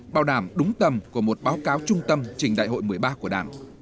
bảo đảm đúng tầm của một báo cáo trung tâm trình đại hội một mươi ba của đảng